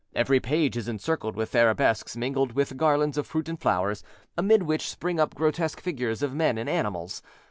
Every page is encircled with arabesques mingled with garlands of fruit and flowers, amid which spring up grotesque figures of men and animals.